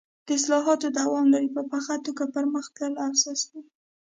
د اصلاحاتو دوام لړۍ په پڅه توګه پر مخ تلله او سست و.